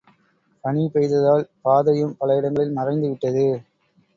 பனி பெய்ததால், பாதையும் பல இடங்களில் மறைந்துவிட்டது.